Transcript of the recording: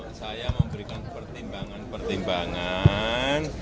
ya saya mau berikan pertimbangan pertimbangan